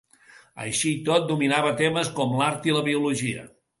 Així i tot, dominava temes com l'art i la biologia.